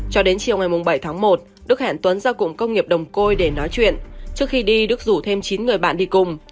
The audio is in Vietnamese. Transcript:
cho đến chiều ngày bảy tháng một đức hẹn tuấn ra cụm công nghiệp đồng côi để nói chuyện trước khi đi đức rủ thêm chín người bạn đi cùng